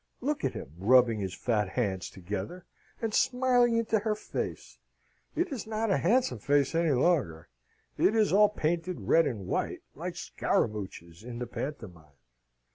Look at him rubbing his fat hands together, and smiling into her face! It's not a handsome face any longer. It is all painted red and white like Scaramouch's in the pantomime.